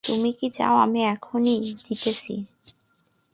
তুমি কি চাও আমি এখনি দিতেছি।